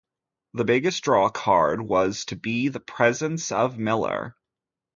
The biggest draw card was to be the presence of Miller.